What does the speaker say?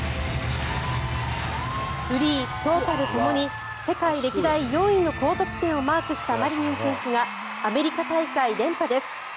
フリー、トータルともに世界歴代４位の高得点をマークしたマリニン選手がアメリカ大会連覇です。